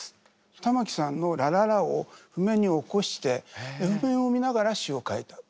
玉置さんの「ラララ」を譜面に起こして譜面を見ながら詞を書いた。